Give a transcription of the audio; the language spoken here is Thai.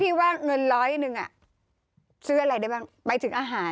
พี่ว่าเงินร้อยนึงอ่ะซื้ออะไรได้บ้างไปถึงอาหาร